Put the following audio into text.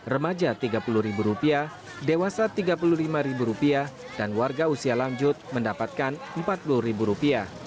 remaja rp tiga puluh dewasa rp tiga puluh lima dan warga usia lanjut mendapatkan rp empat puluh